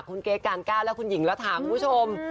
คุณเก๊กการก้าวและคุณหญิงระถาคุณผู้ชม